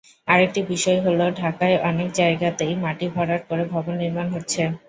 আরেকটি বিষয় হলো ঢাকায় অনেক জায়গাতেই মাটি ভরাট করে ভবন নির্মাণ হচ্ছে।